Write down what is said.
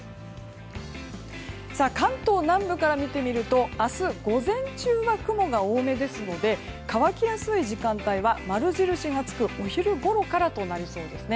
関東南部から見てみると明日、午前中は雲が多めですので乾きやすい時間帯は丸印がつくお昼ごろからとなりそうですね。